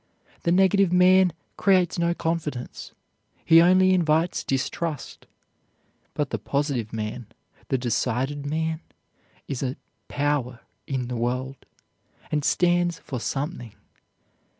The negative man creates no confidence, he only invites distrust. But the positive man, the decided man, is a power in the world, and stands for something.